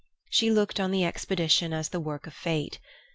She looked on the expedition as the work of Fate.